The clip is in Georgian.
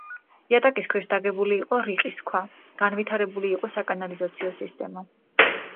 იატაკის ქვეშ დაგებული იყო რიყის ქვა, განვითარებული იყო საკანალიზაციო სისტემა.